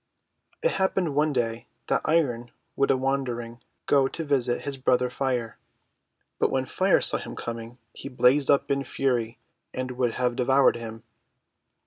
It happened one day that Iron would a wander ing go to visit his brother Fire. But when Fire saw him coming, he blazed up in fury and would have devoured him.